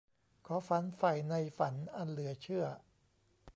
ขอฝันใฝ่ในฝันอันเหลือเชื่อ